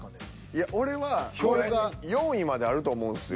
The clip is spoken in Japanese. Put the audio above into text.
いや俺は４位まであると思うんですよ。